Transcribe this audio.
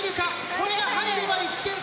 これが入れば１点差。